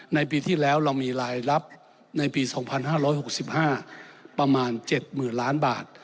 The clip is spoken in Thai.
ในปีที่แล้วเรามีรายรับในปี๒๕๖๕ประมาณ๗๐๐๐ล้านบาท